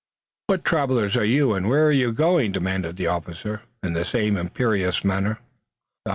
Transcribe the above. "What travelers are you and where are you going?" demanded the officer, in the same imperious manner.